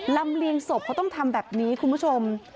ลำเลียงศพเขาต้องทำแบบนี้คุณผู้ชม